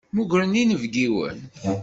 Mmugren inebgiwen.